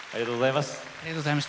ありがとうございます。